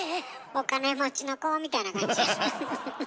お金持ちの子みたいな感じやしな。